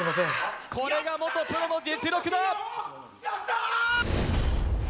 これが元プロの実力だやったー！